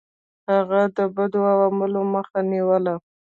هغه د بدو عواملو مخه نیوله.